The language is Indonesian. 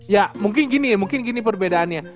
ya mungkin gini ya mungkin gini perbedaannya